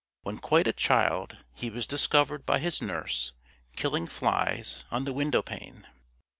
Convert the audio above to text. When quite a child he was discovered by his nurse killing flies on the window pane.